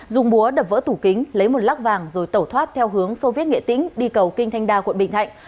dùng búa đập vỡ tủ kính lấy một lắc vàng rồi tẩu thoát theo hướng sô viết nghệ tính đi cầu kinh thanh đa quận bình thạnh